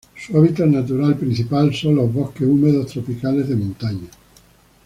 Su hábitat natural principal son los bosques húmedos tropicales de montaña.